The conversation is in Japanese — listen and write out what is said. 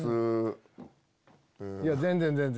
いや全然全然！